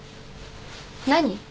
何？